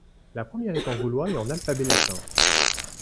La première est en gaulois et en alphabet latin.